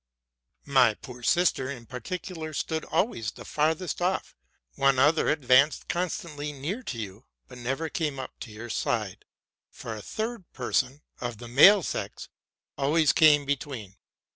My poor sister in particular stood always the farthest off: one other advanced constantly nearer to you, but never came up to your side; fora third person, of the male sex, always came between.